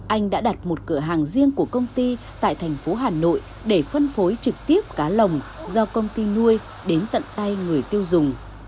anh đã đặt một cửa hàng riêng của công ty tại thành phố hà nội để phân phối trực tiếp cá lồng do công ty nuôi đến tận tay người tiêu dùng